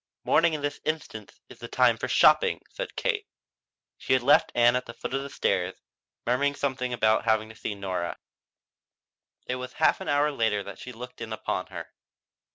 "Morning in this instance is the time for shopping," said Kate. She had left Ann at the foot of the stairs, murmuring something about having to see Nora. It was a half hour later that she looked in upon her.